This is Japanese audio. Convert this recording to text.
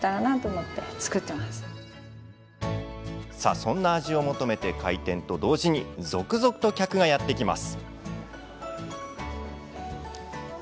そんな味を求めて開店と同時に続々と客がやって来ます。